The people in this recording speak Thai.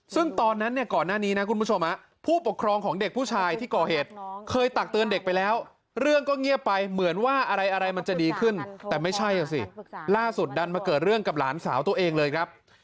ซึ่งตอนนั้นเนี่ยก่อนหน้านี้นะคุณผู้ชมผู้ปกครองของเด็กผู้ชายที่ก่อเหตุเคยตักเตือนเด็กไปแล้วเรื่องก็เงียบไปเหมือนว่าอะไรมันจะดีขึ้นแต่ไม่ใช่อ่ะสิล่าสุดดันมาเกิดเรื่องกับหลานสาวตัวเองเลยครับ